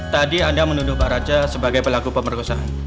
tadi anda menuduh pak raja sebagai pelaku pemerkosaan